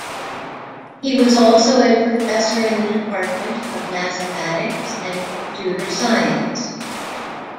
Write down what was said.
He was also a professor in the department of mathematics and computer science.